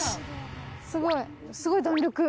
すごい、すごい弾力。